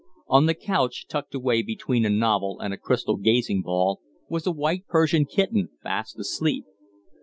On the couch, tucked away between a novel and a crystal gazing ball, was a white Persian kitten, fast asleep.